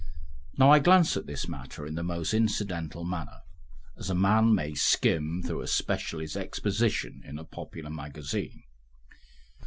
Now I glance at this matter in the most incidental manner, as a man may skim through a specialist's exposition in a popular magazine.